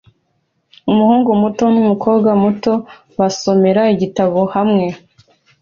Umuhungu muto numukobwa muto basomera igitabo hamwe